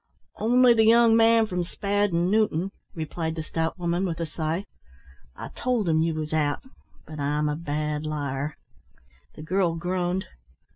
"Only the young man from Spadd & Newton," replied the stout woman with a sigh. "I told 'im you was out, but I'm a bad liar." The girl groaned.